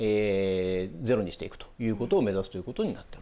ゼロにしていくということを目指すということになっています。